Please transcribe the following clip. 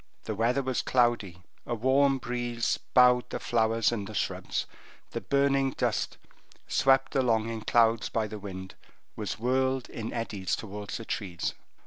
The weather was cloudy, a warm breeze bowed the flowers and the shrubs, the burning dust, swept along in clouds by the wind, was whirled in eddies towards the trees.